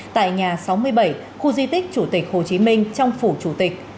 tại nhà sáu mươi bảy khu di tích chủ tịch hồ chí minh trong phủ chủ tịch